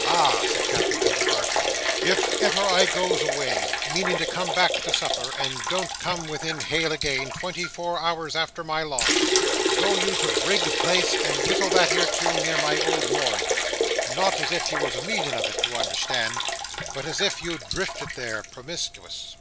"Ah!" said Captain Cuttle darkly, "if ever I goes away, meaning to come back to supper, and don't come within hail again, twenty four hours arter my loss, go you to Brig Place and whistle that "ere tune near my old moorings—not as if you was a meaning of it, you understand, but as if you'd drifted there, promiscuous.